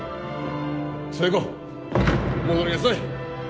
寿恵子戻りなさい！